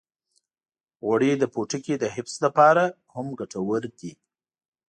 غوړې د پوټکي د حفظ لپاره هم ګټورې دي.